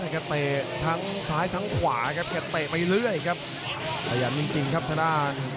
ก็เตะทั้งซ้ายทั้งขวาก็เตะไปเรื่อยพยายามจริงครับชะด้าน